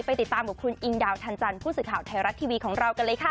ติดตามกับคุณอิงดาวทันจันทร์ผู้สื่อข่าวไทยรัฐทีวีของเรากันเลยค่ะ